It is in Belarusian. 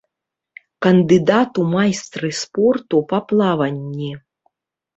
Кандыдат у майстры спорту па плаванні.